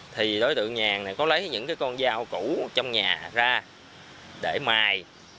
thì đối tượng nhàn này có lấy những cái con dao cũ trong nhà ra để mài